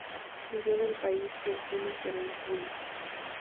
Huyó del país y el crimen quedó impune.